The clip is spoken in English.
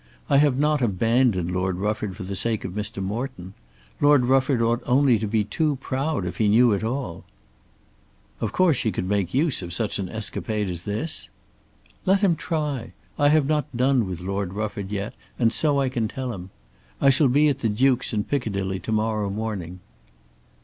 I have not abandoned Lord Rufford for the sake of Mr. Morton. Lord Rufford ought only to be too proud if he knew it all." "Of course he could make use of such an escapade as this?" "Let him try. I have not done with Lord Rufford yet, and so I can tell him. I shall be at the Duke's in Piccadilly to morrow morning."